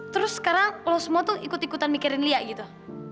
terus sekarang lo semua tuh ikut ikutan mikirin lia gitu